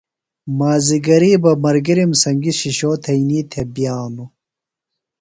مازِگریۡ بہ ملگِرِم سنگیۡ شِشو تھئینی تھےۡ بِیانوۡ۔